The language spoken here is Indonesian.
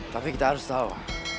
tapi kita harus tau